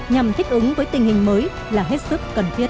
nhằm thích ứng với tình hình mới là hết sức cần thiết